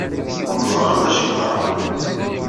Ur neẓri ara d acu ay yeḍran.